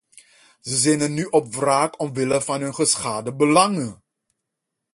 Zij zinnen nu op wraak omwille van hun geschade belangen.